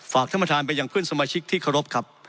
ท่านประธานไปยังเพื่อนสมาชิกที่เคารพครับ